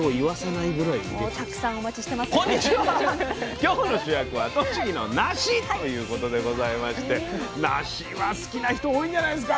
今日の主役は栃木のなしということでございましてなしは好きな人多いんじゃないですか